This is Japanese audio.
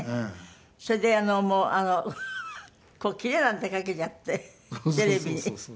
それで布なんてかけちゃってテレビに。